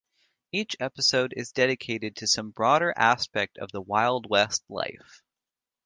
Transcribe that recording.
Each episode is dedicated to some broader aspect of Wild West life.